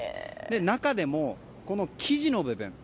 中でも、この生地の部分。